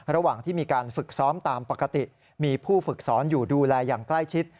ระหว่างที่มีการฝึกซ้อมตามปกติมีผู้ฝึกสอนอยู่ดูแลอย่างใกล้ชิด